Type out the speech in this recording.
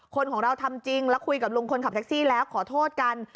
คนของเราทำจริงแล้วคุยกับลุงคนขับแท็กซี่แล้วขอโทษกัน